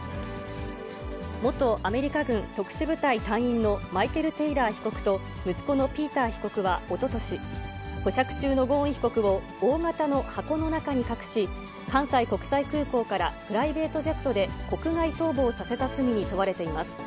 元アメリカ軍特殊部隊隊員のマイケル・テイラー被告と、息子のピーター被告はおととし、保釈中のゴーン被告を、大型の箱の中に隠し、関西国際空港からプライベートジェットで、国外逃亡させた罪に問われています。